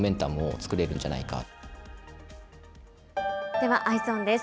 ではＥｙｅｓｏｎです。